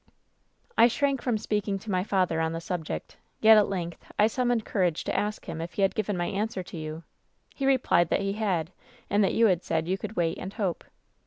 "I shrank from speaking to my father on the subject, yet at length I summoned courage to ask him if he had given my answer to you. He replied that he had, and that you had said you could wait and hope.